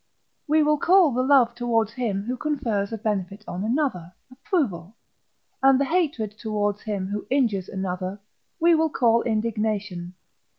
We will call the love towards him who confers a benefit on another, Approval; and the hatred towards him who injures another, we will call Indignation.